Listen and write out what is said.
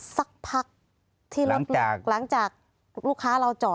สักพักที่รถลูกหลังจากหลังจากลูกค้าเราจอด